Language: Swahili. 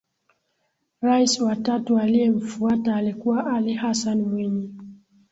Rais wa tatu aliyemfuata alikuwa Ali Hassan Mwinyi